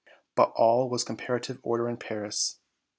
But all was comparative order in Paris.